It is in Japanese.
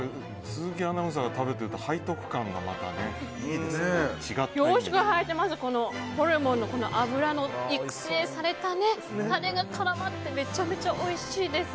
鈴木アナウンサーが食べてると背徳感がまたホルモンの脂の育成されたタレが絡まってめちゃめちゃおいしいです。